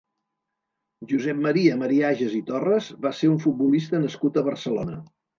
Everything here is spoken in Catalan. Josep Maria Mariages i Torres va ser un futbolista nascut a Barcelona.